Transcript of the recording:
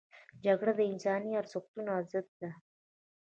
جګړه د انساني ارزښتونو ضد ده